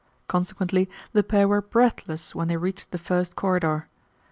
Consequently the pair were breathless when they reached the first corridor.